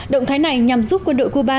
động thái này nhằm giúp quân đội cuba